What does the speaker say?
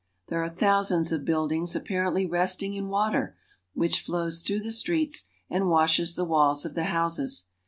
There are thousands of buildings apparently resting in water, which flows through the streets, and washes the walls of the houses.